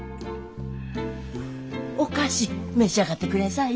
お菓子召し上がってくれんさいよ。